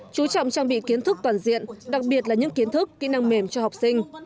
chú trọng trang bị kiến thức toàn diện đặc biệt là những kiến thức kỹ năng mềm cho học sinh